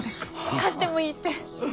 貸してもいいって！